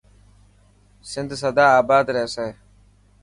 سنڌ سدا آبا رهسي.